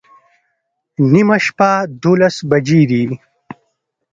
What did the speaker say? نیمه شپه دوولس بجې دي